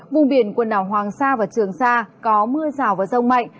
vùng biển quần đảo hoàng sa và trường sa có mưa rào và rông mạnh